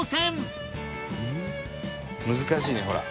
難しいねほら。